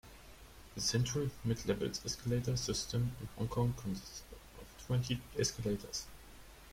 The Central-Midlevels escalator system in Hong Kong consists of twenty escalators.